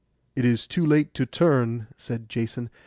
'It is too late to turn,' said Jason.